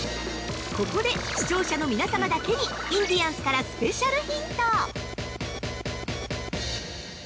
◆ここで、視聴者の皆様だけにインディアンスからスペシャルヒント！